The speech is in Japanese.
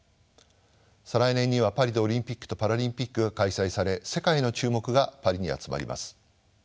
再来年にはパリでオリンピックとパラリンピックが開催され世界の注目がパリに集まります。